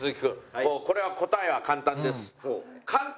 もうこれは答えは簡単です。